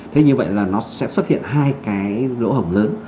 thế như vậy là nó sẽ xuất hiện hai cái lỗ hổng lớn